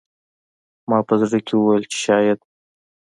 ما په زړه کې وویل چې شاید